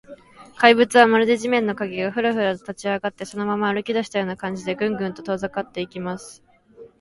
怪物は、まるで地面の影が、フラフラと立ちあがって、そのまま歩きだしたような感じで、グングンと遠ざかっていきます。